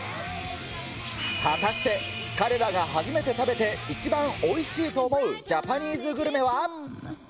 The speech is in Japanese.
果たして、彼らが初めて食べて、一番おいしいと思うジャパニーズグルメは？